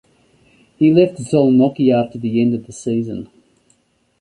He left Szolnoki after the end of the season.